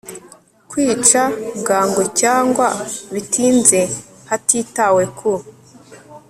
kwica bwangu cyangwa bitinze hatitawe ku